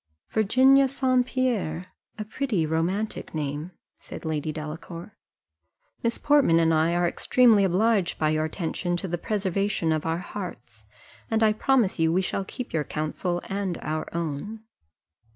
"Virginia St. Pierre, a pretty romantic name," said Lady Delacour: "Miss Portman and I are extremely obliged by your attention to the preservation of our hearts, and I promise you we shall keep your counsel and our own."